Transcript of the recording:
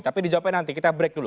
tapi dijawabkan nanti kita break dulu